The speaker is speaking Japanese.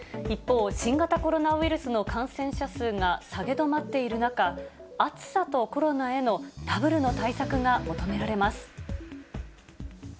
一方、新型コロナウイルスの感染者数が下げ止まっている中、暑さとコロナへのダブルの対策が求められます。